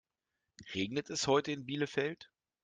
Regnet es heute in Bielefeld?